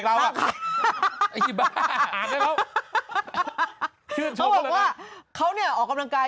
เค้าแน่นอนที่ออกกำลังกาย